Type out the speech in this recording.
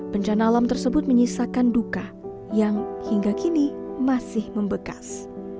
bencana alam tersebut menyisakan duka yang hingga kini masih membekas